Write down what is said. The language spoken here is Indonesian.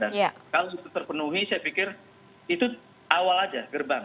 dan kalau itu terpenuhi saya pikir itu awal aja gerbang